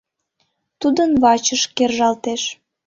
Тудын вачыш кержалтеш.